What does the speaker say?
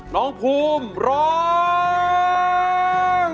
น้องภูมิร้อง